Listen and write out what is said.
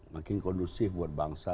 makin kondusif buat bangsa